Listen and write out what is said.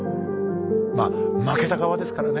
まあ負けた側ですからね。